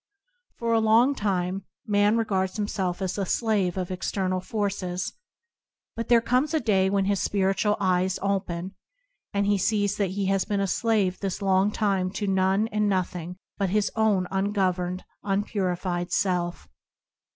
For a long time man regards himself as the slave of exter nal forces, but there comes a day when his spiritual eyes open, and he sees that he has been a slave this long time to none and nothing but his own ungoverned, unpuri fied self.